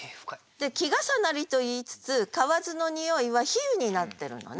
で季重なりと言いつつ「蛙の匂ひ」は比喩になってるのね。